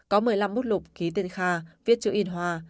có một mươi năm bút lục ký tên kha viết chữ in hoa